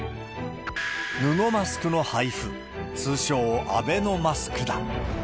布マスクの配布、通称アベノマスクだ。